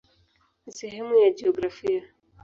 Ni sehemu ya jiografia.